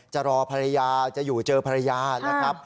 จะรอภรรยาจะอยู่เจอภรรยานะครับ